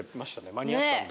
間に合ったんだ。